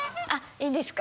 いいですか